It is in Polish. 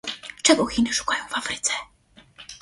czego Chiny szukają w Afryce?